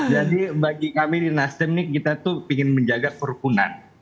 jadi bagi kami di nasdem nih kita tuh ingin menjaga kerukunan